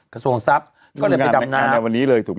กระทรวงทรัพย์ก็เลยไปดำน้ำ